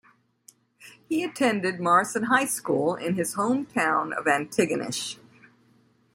He attended Morrison High School in his home town of Antigonish.